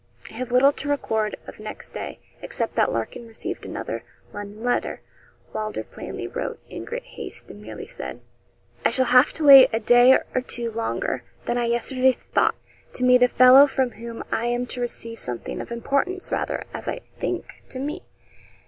I have little to record of next day, except that Larkin received another London letter. Wylder plainly wrote in great haste, and merely said: 'I shall have to wait a day or two longer than I yesterday thought, to meet a fellow from whom I am to receive something of importance, rather, as I think, to me.